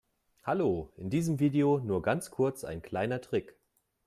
Hallo, in diesem Video nur ganz kurz ein kleiner Trick.